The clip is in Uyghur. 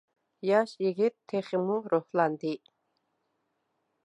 ياش يىگىت تېخىمۇ روھلاندى.